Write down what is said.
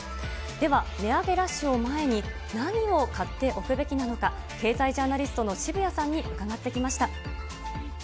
では値上げラッシュを前に、何を買っておくべきなのか、経済ジャーナリストの渋谷さんに伺ってきました。